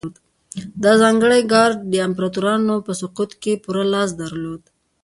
دا ځانګړی ګارډ د امپراتورانو په سقوط کې پوره لاس درلود